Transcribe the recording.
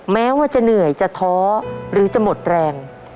แม้ว่าจะเหนื่อยจะท้อหรือจะหมดแรง